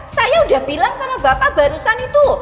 saya udah bilang sama bapak barusan itu